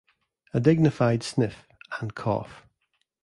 A dignified sniff, and cough.